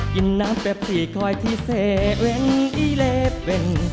กินน้ำเปรียบสี่คอยที่เซเว่นอีเลฟเว่น